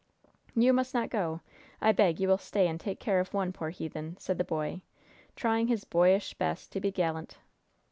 "You must not go! I beg you will stay and take care of one poor heathen!" said the boy, trying his boyish best to be gallant.